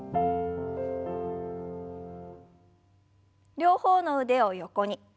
両方の腕を横に。